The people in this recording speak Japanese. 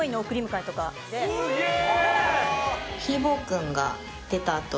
すげえ